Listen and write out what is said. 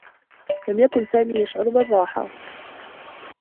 لم يكن سامي يشعر بالرّاحة.